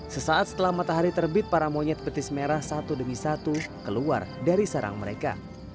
sesaat setelah matahari terbit para monyet betis merah satu demi satu keluar dari sarang mereka